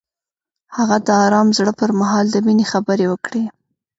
هغه د آرام زړه پر مهال د مینې خبرې وکړې.